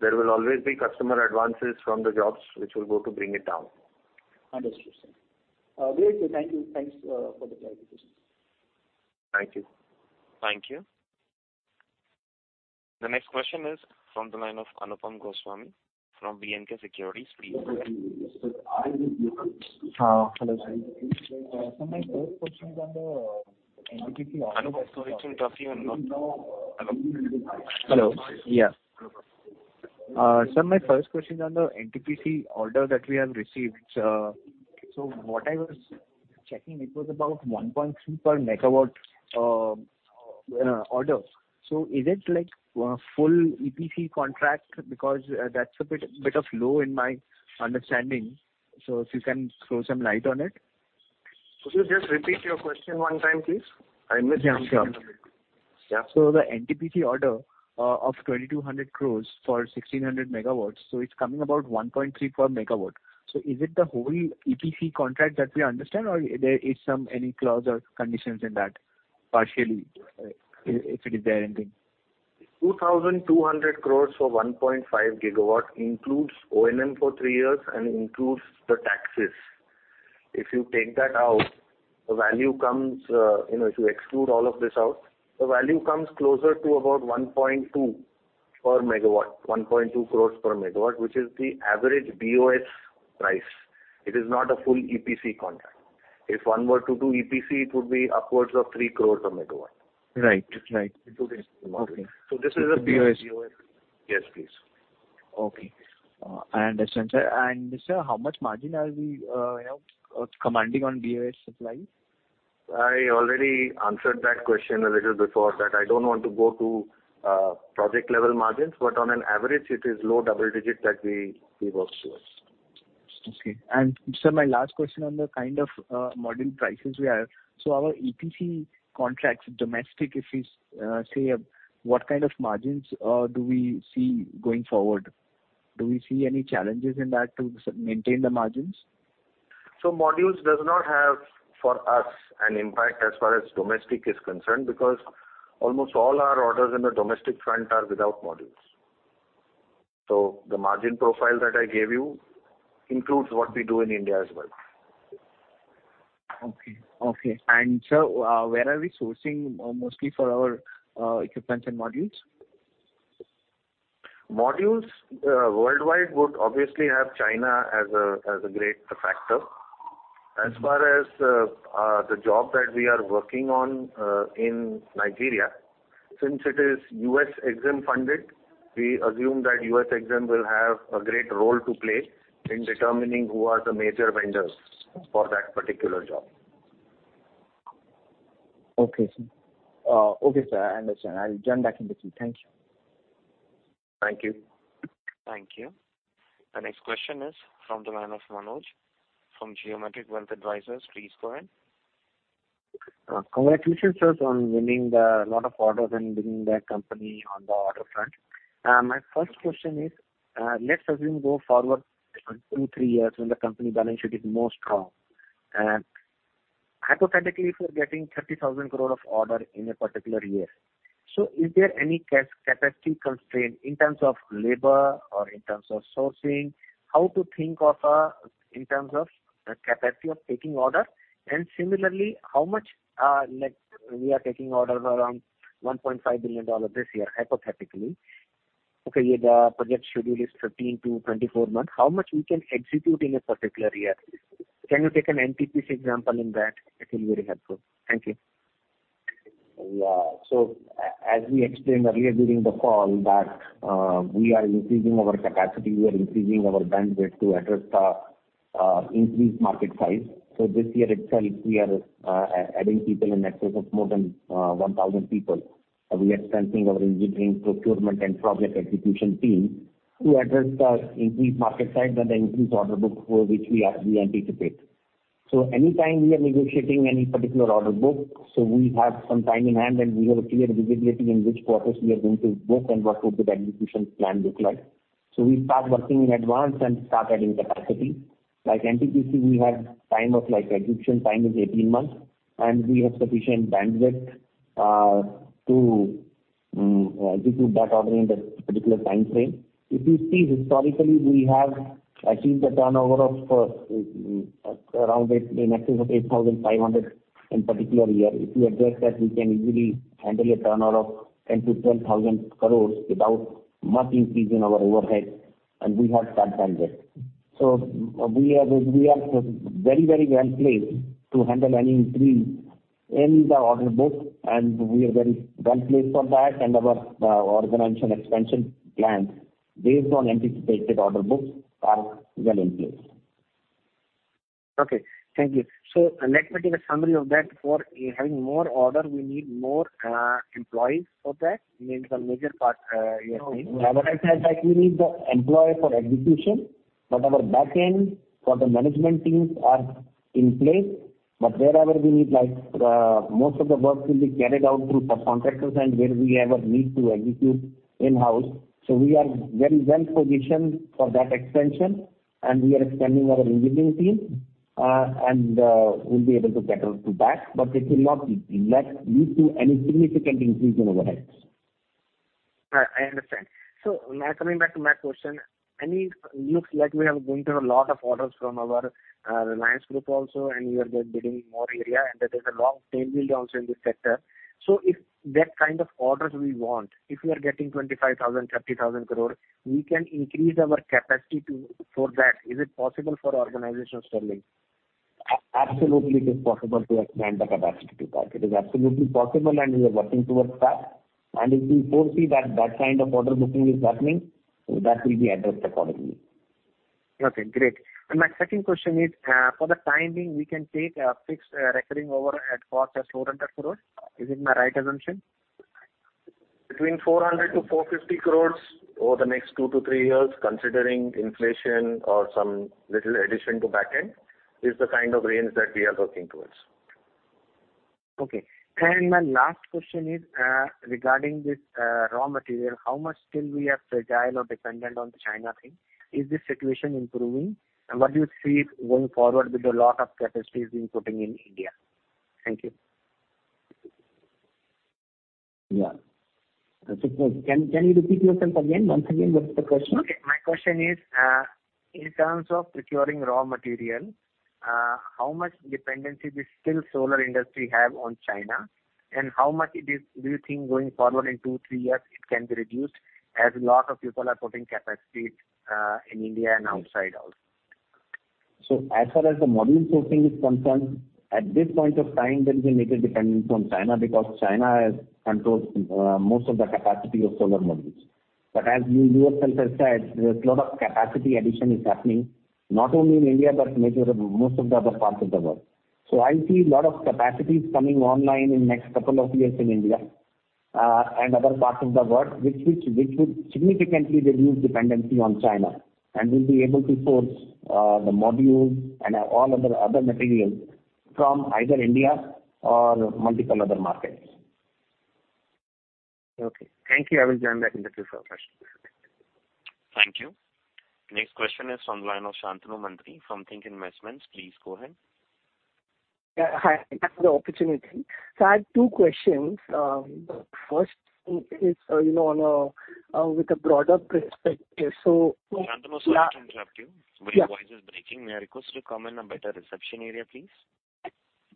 There will always be customer advances from the jobs which will go to bring it down. Understood, sir. Great. Thank you. Thanks for the clarification. Thank you. Thank you. The next question is from the line of Anupam Goswami from B&K Securities. Please go ahead. Hello, sir. Sir, my first question is on the NTPC order. Anupam, it's in tough hearing mode. Hello? Hello. Yeah. Hello. Sir, my first question is on the NTPC order that we have received. What I was checking, it was about 1.2 per megawatt order. Is it like full EPC contract? Because that's a bit low in my understanding. If you can throw some light on it. Could you just repeat your question one time, please? I missed. Yeah, sure. Yeah. The NTPC order of 2,200 crore for 1,600 MW, so it's coming about 1.3 per MW. Is it the whole EPC contract that we understand or there is some any clause or conditions in that partially, if it is there anything? 2,200 crores for 1.5 gigawatt includes O&M for three years and includes the taxes. If you take that out, the value comes, if you exclude all of this out, the value comes closer to about 1.2 per megawatt, 1.2 crores per megawatt, which is the average BoS price. It is not a full EPC contract. If one were to do EPC, it would be upwards of 3 crores a megawatt. Right. Okay. This is a BOS. Yes, please. Okay. I understand, sir. Sir, how much margin are we, you know, commanding on BOS supply? I already answered that question a little before, that I don't want to go to project-level margins, but on an average, it is low double-digit that we work towards. Okay. Sir, my last question on the kind of module prices we have. Our EPC contracts domestic, if we say, what kind of margins do we see going forward? Do we see any challenges in that to sustain the margins? Modules does not have for us an impact as far as domestic is concerned because almost all our orders in the domestic front are without modules. The margin profile that I gave you includes what we do in India as well. Okay. Sir, where are we sourcing mostly for our equipment and modules? Modules worldwide would obviously have China as a great factor. As far as the job that we are working on in Nigeria, since it is US EXIM funded, we assume that US EXIM will have a great role to play in determining who are the major vendors for that particular job. Okay, sir. Okay, sir. I understand. I'll join back in the queue. Thank you. Thank you. Thank you. The next question is from the line of Manoj from Geometric Wealth Advisors. Please go ahead. Congratulations, sir, on winning a lot of orders and leading the company on the order front. My first question is, let's assume going forward two, three years when the company balance sheet is more strong. Hypothetically, if you're getting 30,000 crore of orders in a particular year. Is there any capacity constraint in terms of labor or in terms of sourcing, how to think of in terms of capacity of taking orders? And similarly, how much, like we are taking orders around $1.5 billion this year, hypothetically. Okay. Yeah, the project schedule is 13-24 months. How much we can execute in a particular year? Can you take an NTPC example in that? It will be very helpful. Thank you. Yeah. As we explained earlier during the call that, we are increasing our capacity, we are increasing our bandwidth to address the increased market size. This year itself, we are adding people in excess of more than 1,000 people. We are expanding our engineering, procurement and project execution team to address the increased market size and the increased order book for which we anticipate. Anytime we are negotiating any particular order book, we have some time in hand, and we have a clear visibility in which quarters we are going to book and what would the execution plan look like. We start working in advance and start adding capacity. Like NTPC, we have time of like execution time is 18 months, and we have sufficient bandwidth to execute that order in that particular time frame. If you see historically, we have achieved a turnover of in excess of 8,500 crore in a particular year. If you address that, we can easily handle a turnover of 10,000 crore-12,000 crore without much increase in our overhead, and we have that bandwidth. We are very, very well placed to handle any increase in the order book, and we are very well placed for that. Our organization expansion plans based on anticipated order books are well in place. Okay, thank you. Let me take a summary of that. For having more order, we need more employees for that means a major part, you are saying. No. We have a right size, like, we need the employee for execution, but our back end for the management teams are in place. Wherever we need, like, most of the work will be carried out through subcontractors and wherever we need to execute in-house. We are very well positioned for that expansion, and we are expanding our engineering team. We'll be able to cater to that, but it will not lead to any significant increase in overheads. I understand. Now coming back to my question, I mean, looks like we are going through a lot of orders from our Reliance Group also, and we are bidding more areas, and there is a long tailwind also in this sector. If that kind of orders we want, if we are getting 25,000-30,000 crore, we can increase our capacity to for that. Is it possible for organizational scaling? Absolutely, it is possible to expand the capacity to that. It is absolutely possible, and we are working towards that. If we foresee that kind of order booking is happening, so that will be addressed accordingly. Okay, great. My second question is, for the time being, we can take a fixed recurring order at cost as 400 crore. Is it my right assumption? Between 400-450 crores over the next 2-3 years, considering inflation or some little addition to back end, is the kind of range that we are working towards. Okay. My last question is, regarding this, raw material. How much still we are fragile or dependent on the China thing? Is this situation improving? What do you see going forward with a lot of capacities being putting in India? Thank you. Yeah. Can you repeat yourself again? Once again, what's the question? Okay. My question is, in terms of procuring raw material, how much dependency does still solar industry have on China? How much it is do you think going forward in two, three years it can be reduced as lot of people are putting capacity, in India and outside also? As far as the module sourcing is concerned, at this point of time, there is a major dependence on China because China has controlled most of the capacity of solar modules. But as you yourself has said, there's lot of capacity addition is happening not only in India but most of the other parts of the world. I see lot of capacities coming online in next couple of years in India and other parts of the world which would significantly reduce dependency on China. We'll be able to source the modules and all other materials from either India or multiple other markets. Okay. Thank you. I will join back in the queue for questions. Thank you. Next question is on line of Shantanu Mantri from Think Investments. Please go ahead. Yeah. Hi. Thanks for the opportunity. I have two questions. First is you know with a broader perspective. Shantanu, sorry to interrupt you. Yeah. Your voice is breaking. May I request you to come in a better reception area, please?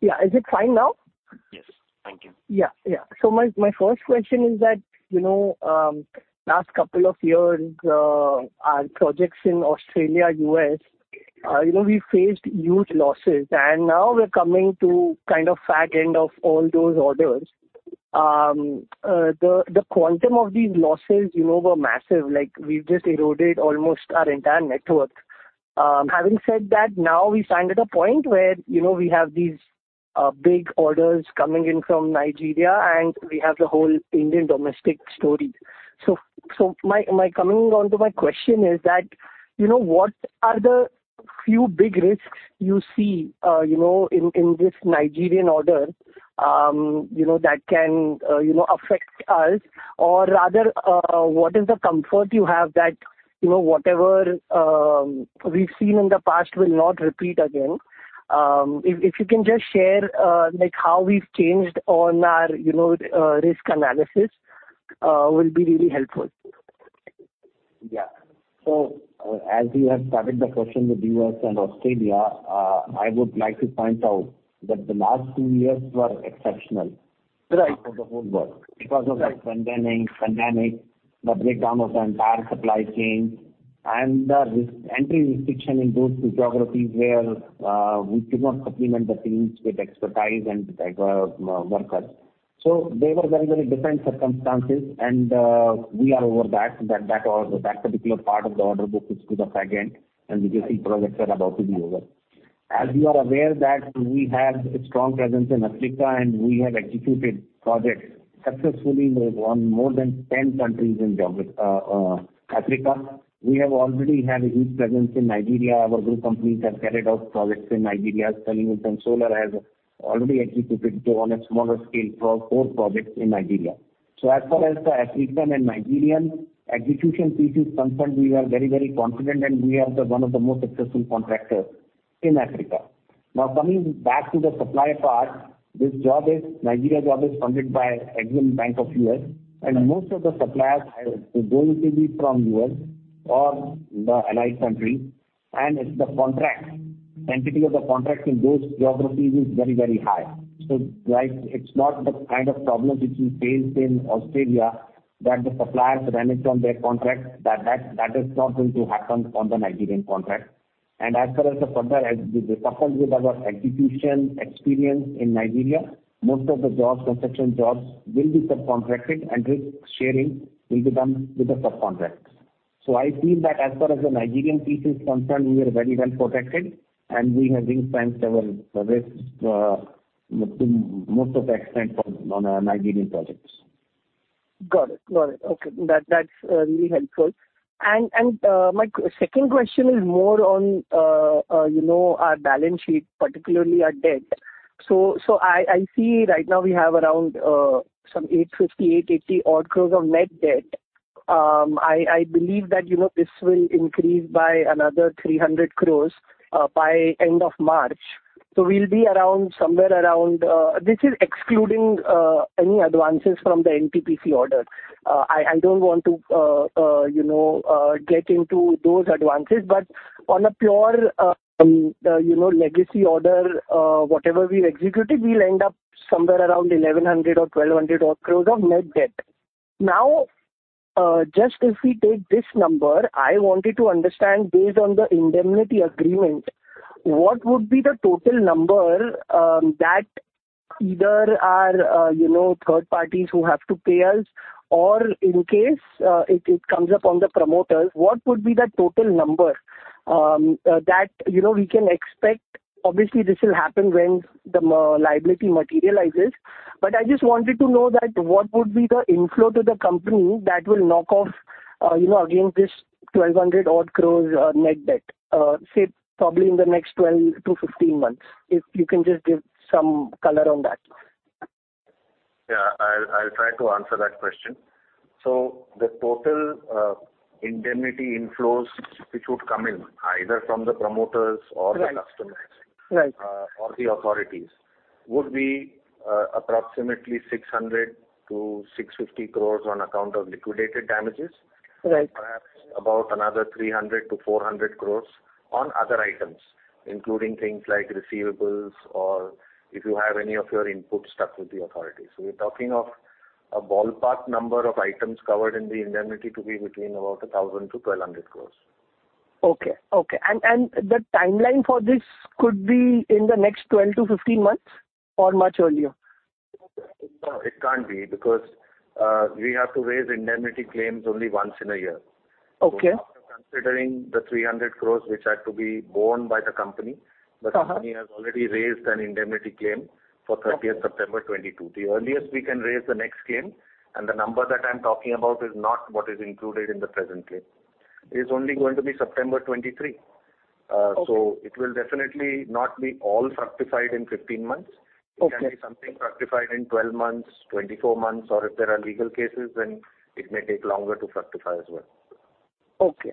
Yeah. Is it fine now? Yes. Thank you. My first question is that, you know, last couple of years, our projects in Australia, U.S., you know, we faced huge losses, and now we're coming to kind of back end of all those orders. The quantum of these losses, you know, were massive. Like, we've just eroded almost our entire net worth. Having said that, now we stand at a point where, you know, we have these big orders coming in from Nigeria, and we have the whole Indian domestic story. My coming on to my question is that, you know, what are the few big risks you see, you know, in this Nigerian order, you know, that can, you know, affect us? What is the comfort you have that, you know, whatever we've seen in the past will not repeat again? If you can just share like how we've changed on our, you know, risk analysis will be really helpful. As you have started the question with U.S. and Australia, I would like to point out that the last two years were exceptional. Right for the whole world because of the pandemic, the breakdown of the entire supply chain and the re-entry restriction in those two geographies where we could not supplement the teams with expertise and workers. They were very, very different circumstances. We are over that particular part of the order book, which is the second, and we can see projects are about to be over. As you are aware, we have a strong presence in Africa, and we have executed projects successfully in more than ten countries in Africa. We already have a huge presence in Nigeria. Our group companies have carried out projects in Nigeria. Sterling and Wilson Solar has already executed on a smaller scale four projects in Nigeria. As far as the African and Nigerian execution piece is concerned, we are very, very confident and we are one of the most successful contractors in Africa. Now, coming back to the supply part, this job, the Nigeria job, is funded by EXIM Bank of the U.S., and most of the suppliers are going to be from U.S. or the allied countries. The enforceability of the contract in those geographies is very, very high. Like it's not the kind of problem which we faced in Australia, that the suppliers reneged on their contract. That is not going to happen on the Nigerian contract. As far as the further execution with our execution experience in Nigeria, most of the jobs, construction jobs will be subcontracted and risk sharing will be done with the subcontractors. I feel that as far as the Nigerian piece is concerned, we are very well protected and we have ring-fenced our risk to most of the extent on our Nigerian projects. Got it. Okay. That's really helpful. My second question is more on you know, our balance sheet, particularly our debt. I see right now we have around some 850-880 odd crores of net debt. I believe that you know, this will increase by another 300 crores by end of March. We'll be around somewhere around. This is excluding any advances from the NTPC order. I don't want to you know, get into those advances, but on a pure you know, legacy order whatever we've executed, we'll end up somewhere around 1,100 or 1,200 odd crores of net debt. Now, just if we take this number, I wanted to understand, based on the indemnity agreement, what would be the total number, that either our, you know, third parties who have to pay us, or in case, it comes up on the promoters, what would be the total number, that, you know, we can expect? Obviously, this will happen when the liability materializes, but I just wanted to know that what would be the inflow to the company that will knock off, you know, against this 1,200-odd crore net debt, say, probably in the next 12-15 months. If you can just give some color on that. Yeah. I'll try to answer that question. The total indemnity inflows which would come in either from the promoters or the customers. Right The authorities would be approximately 600-650 crores on account of liquidated damages. Right. Perhaps about another 300-400 crore on other items, including things like receivables or if you have any of your inputs stuck with the authorities. We're talking of a ballpark number of items covered in the indemnity to be between about 1,000-1,200 crore. Okay. The timeline for this could be in the next 12-15 months or much earlier? No, it can't be, because we have to raise indemnity claims only once in a year. Okay. After considering the 300 crores, which are to be borne by the company. Uh-huh The company has already raised an indemnity claim for 30th September 2022. The earliest we can raise the next claim, and the number that I'm talking about is not what is included in the present claim, is only going to be September 2023. Okay It will definitely not be all fructified in 15 months. Okay. It can be something fructified in 12 months, 24 months, or if there are legal cases, then it may take longer to fructify as well. Okay.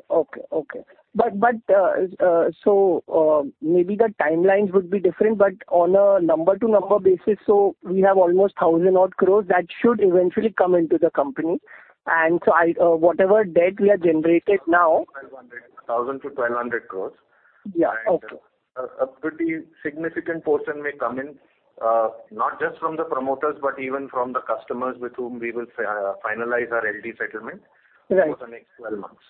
Maybe the timelines would be different, but on a number-to-number basis, we have almost 1,000-odd INR crore that should eventually come into the company. Whatever debt we have generated now- 10,000-12,000 crores. Yeah. Okay. A pretty significant portion may come in, not just from the promoters, but even from the customers with whom we will finalize our LD settlement. Right over the next twelve months.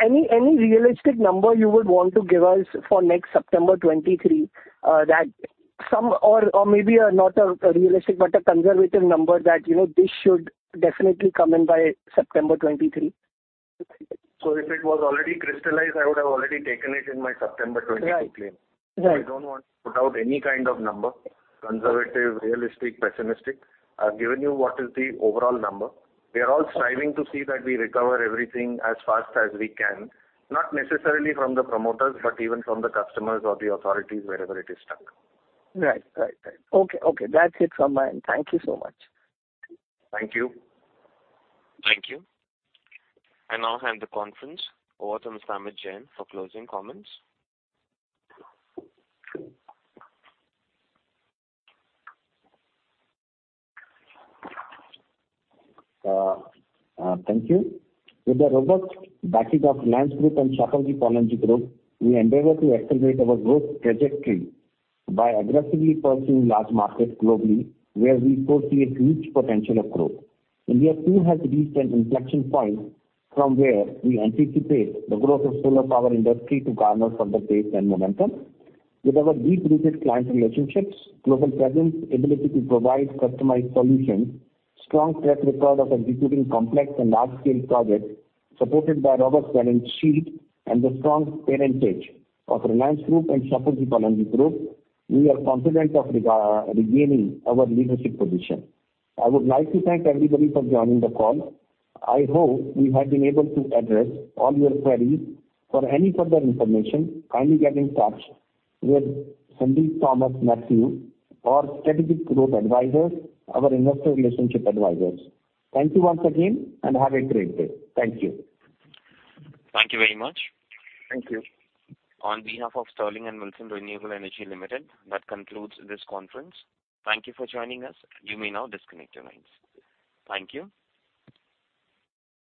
Any realistic number you would want to give us for next September 2023, or maybe not a realistic but a conservative number that, you know, this should definitely come in by September 2023. If it was already crystallized, I would have already taken it in my September 2022 claim. Right. Right. I don't want to put out any kind of number, conservative, realistic, pessimistic. I've given you what is the overall number. We are all striving to see that we recover everything as fast as we can, not necessarily from the promoters, but even from the customers or the authorities, wherever it is stuck. Right. Okay. That's it from my end. Thank you so much. Thank you. Thank you. I now hand the conference over to Mr. Amit Jain for closing comments. Thank you. With the robust backing of Reliance Group and Shapoorji Pallonji Group, we endeavor to accelerate our growth trajectory by aggressively pursuing large markets globally, where we foresee a huge potential of growth. India too has reached an inflection point from where we anticipate the growth of solar power industry to garner further pace and momentum. With our deep-rooted client relationships, global presence, ability to provide customized solutions, strong track record of executing complex and large scale projects supported by robust balance sheet and the strong parentage of Reliance Group and Shapoorji Pallonji Group, we are confident of regaining our leadership position. I would like to thank everybody for joining the call. I hope we have been able to address all your queries. For any further information, kindly get in touch with Sandeep Thomas Mathew, our Strategic Growth Advisor, our Investor Relationship Advisors. Thank you once again and have a great day. Thank you. Thank you very much. Thank you. On behalf of Sterling and Wilson Renewable Energy Limited, that concludes this conference. Thank you for joining us. You may now disconnect your lines. Thank you.